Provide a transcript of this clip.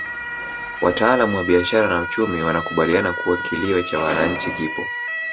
Wataalamu wa biashara na uchumi wanakubaliana kuwa kilio cha wananchi kipo